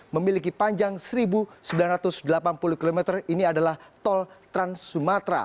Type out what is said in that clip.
memiliki panjang seribu sembilan ratus delapan puluh km ini adalah tol trans sumatra